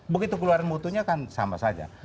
begitu keluarin mutunya kan sama saja